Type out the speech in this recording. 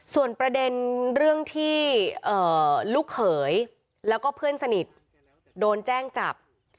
ส่วนประเด็นเรื่องที่ลูกเขยแล้วก็เพื่อนสนิทโดนแจ้งจับ